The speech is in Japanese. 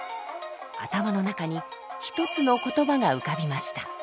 頭の中に一つの言葉が浮かびました。